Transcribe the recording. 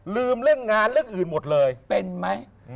ลืมเรื่องงานเรื่องอื่นหมดเลยเป็นไหม